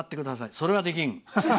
それはできん！